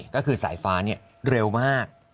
ก็คือสายฟ้าเนี่ยเร็วมาก